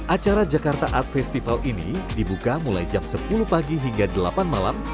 acara jakarta art festival ini dibuka mulai jam sepuluh pagi hingga delapan malam